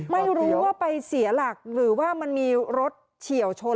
ไม่รู้ว่าไปเสียหลักหรือว่ามันมีรถเฉียวชน